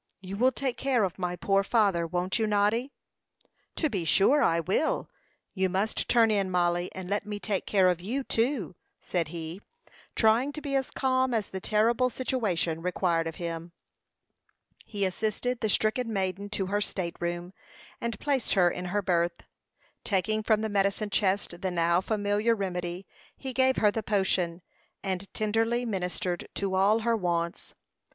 You will take care of my poor father won't you, Noddy?" "To be sure I will. You must turn in, Mollie, and let me take care of you, too," said he, trying to be as calm as the terrible situation required of him. He assisted the stricken maiden to her state room, and placed her in her berth. Taking from the medicine chest the now familiar remedy, he gave her the potion, and tenderly ministered to all her wants.